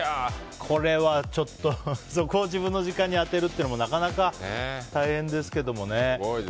これはちょっとそこを自分の時間に充てるというのもなかなか大変ですけどもね。